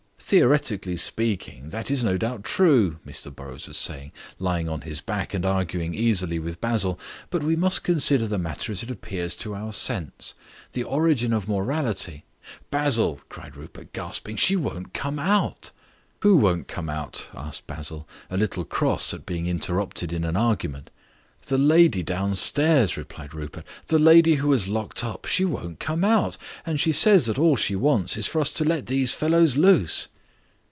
"Theoretically speaking, that is no doubt true," Mr Burrows was saying, lying on his back and arguing easily with Basil; "but we must consider the matter as it appears to our sense. The origin of morality..." "Basil," cried Rupert, gasping, "she won't come out." "Who won't come out?" asked Basil, a little cross at being interrupted in an argument. "The lady downstairs," replied Rupert. "The lady who was locked up. She won't come out. And she says that all she wants is for us to let these fellows loose."